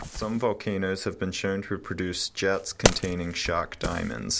Some volcanoes have been shown to produce jets containing shock diamonds.